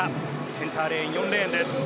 センターレーン４レーンです。